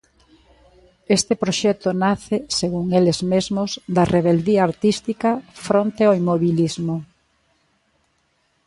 Este proxecto nace, segundo eles mesmos, da rebeldía artística fronte ao inmobilismo.